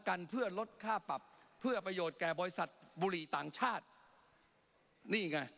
กันเพื่อลดค่าปรับเพื่อประโยชน์แก่บริษัทบุหรี่ต่างชาตินี่ไง